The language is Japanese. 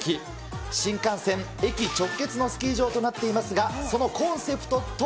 新幹線駅直結のスキー場となっていますが、そのコンセプトとは？